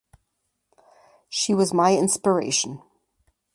She was my inspiration.